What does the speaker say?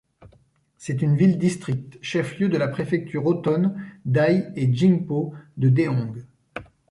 C'est une ville-district, chef-lieu de la préfecture autonome dai et jingpo de Dehong.